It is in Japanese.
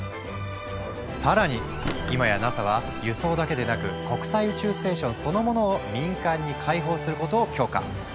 さらに今やＮＡＳＡは輸送だけでなく国際宇宙ステーションそのものを民間に開放することを許可。